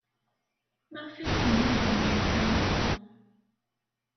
Maɣef ay tunagem ɣer Kanada?